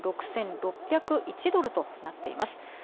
３６６０１円となっています。